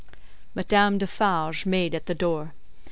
Madame Defarge made at the door.